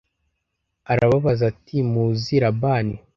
Arababaza ati muzi labani?